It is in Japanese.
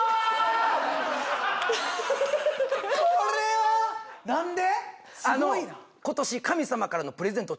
これは何で？